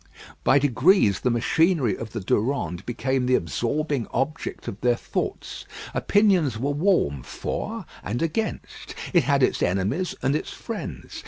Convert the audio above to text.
By degrees the machinery of the Durande became the absorbing object of their thoughts. Opinions were warm for and against. It had its enemies and its friends.